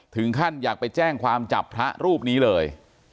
ถึงขั้นอยากไปแจ้งความจับพระรูปนี้เลย